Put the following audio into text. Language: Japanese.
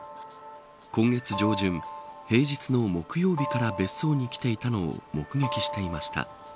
今月上旬平日の木曜日から別荘に来ていたのを目撃していました。